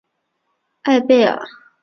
艾贝尔。